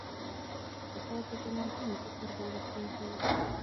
پسه په جوماتونو کې قرباني کېږي.